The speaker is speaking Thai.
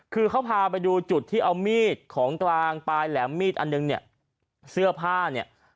คือเขาพาไปดูจุดที่เอามีดของกลางปลายแหลมมีดอันหนึ่งเนี่ยเสื้อผ้าเนี่ย